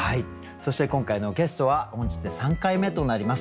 そして今回のゲストは本日で３回目となります